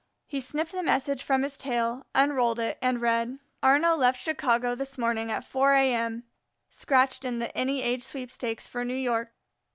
He snipped the message from his tail, unrolled it, and read: "Arnaux left Chicago this morning at 4 A.M., scratched in the Any Age Sweepstakes for New York."